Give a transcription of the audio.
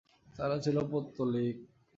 তারা ছিল পৌত্তলিক।